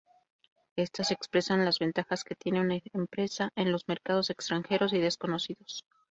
Estas expresan las ventajas que tiene una empresa en los mercados extranjeros y desconocidos.